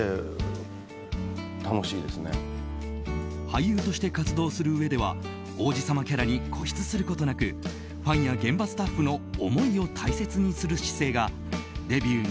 俳優として活動するうえでは王子様キャラに固執することなくファンや現場スタッフの思いを大切にする姿勢がデビュー